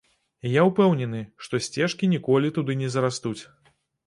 І я ўпэўнены, што сцежкі ніколі туды не зарастуць.